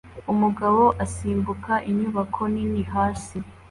Umugabo asimbuka inyubako nini hasi